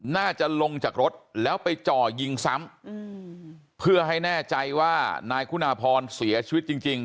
น่าจะลงจากรถแล้วไปจ่อยิงซ้ำเพื่อให้แน่ใจว่านายคุณาพรเสียชีวิตจริงจริง